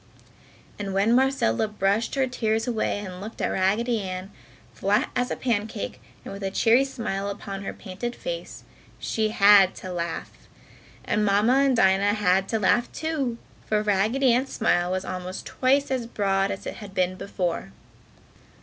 And when Marcella brushed her tears away and looked at Raggedy Ann, flat as a pancake and with a cheery smile upon her painted face, she had to laugh. And Mamma and Dinah had to laugh, too, for Raggedy Ann's smile was almost twice as broad as it had been before.